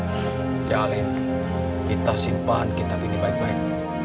ya alin kita simpan kitab ini baik baik